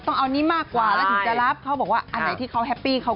ไม่ไปบางทีแล้วก็เกรงใจเพื่อนเหมือนกัน